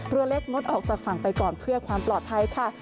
เรือเล็กงดออกจากฝั่งไปก่อนเพื่อความปลอดภัยค่ะ